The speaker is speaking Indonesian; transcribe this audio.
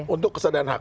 untuk kesedaran hak